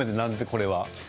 これは。